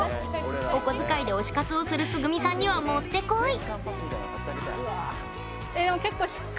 お小遣いで推し活をするつぐみさんには、もってこい。